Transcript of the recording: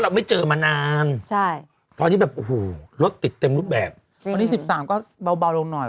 หลังปีใหม่ค่ะใช่ต้องปีนี้เลย